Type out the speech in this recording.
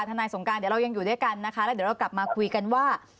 เดี๋ยวเรายังอยู่ด้วยกันนะคะแล้วเดี๋ยวกลับมาคุยกันว่า